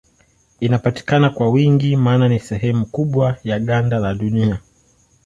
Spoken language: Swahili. Inapatikana kwa wingi maana ni sehemu kubwa ya ganda la Dunia.